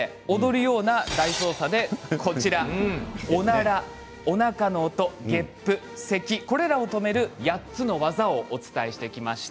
踊るような大捜査でこちら、おならおなかの音、げっぷ、せきこれらを止める８つの技をお伝えしてきました。